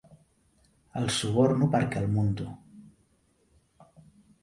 El suborno perquè el munto.